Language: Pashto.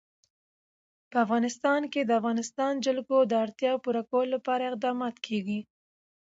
په افغانستان کې د د افغانستان جلکو د اړتیاوو پوره کولو لپاره اقدامات کېږي.